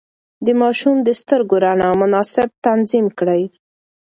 د ماشوم د سترګو رڼا مناسب تنظيم کړئ.